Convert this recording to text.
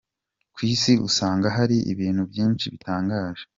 Ku isi usanga hari ibintu byinshi bitangaje.